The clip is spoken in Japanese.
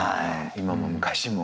今も昔も。